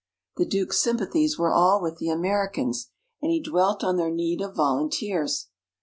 The Duke's sympathies were all with the Americans, and he dwelt on their need of volunteers.